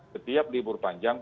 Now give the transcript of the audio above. setiap libur panjang